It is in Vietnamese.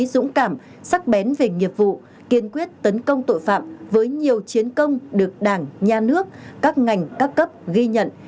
dũng cảm sắc bén về nghiệp vụ kiên quyết tấn công tội phạm với nhiều chiến công được đảng nhà nước các ngành các cấp ghi nhận